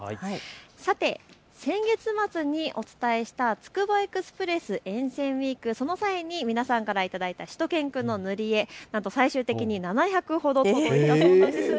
さて先月末にお伝えしたつくばエクスプレス沿線ウイーク、その際に皆さんから頂いたしゅと犬くんの塗り絵、なんと最終的に７００ほど届いたそうです。